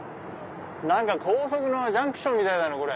高速のジャンクションみたいだな。